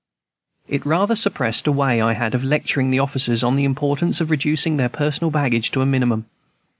It rather suppressed a way I had of lecturing the officers on the importance of reducing their personal baggage to a minimum.